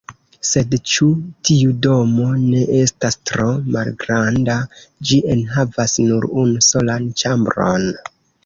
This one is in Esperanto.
Sed ĉu tiu domo ne estas tro malgranda? Ĝi enhavas nur unu solan ĉambron.